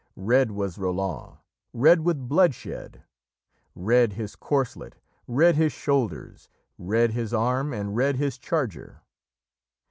"Red was Roland, red with bloodshed; Red his corselet, red his shoulders, Red his arm, and red his charger."